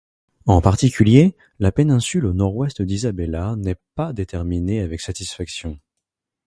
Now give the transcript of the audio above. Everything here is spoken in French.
En particulier, la péninsule au nord-ouest d'Isabella n'est pas déterminée avec satisfaction.